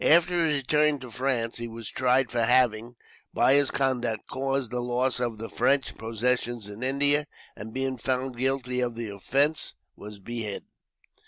After his return to France he was tried for having, by his conduct, caused the loss of the French possessions in India, and being found guilty of the offence, was beheaded.